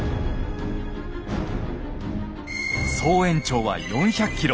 総延長は４００ｋｍ。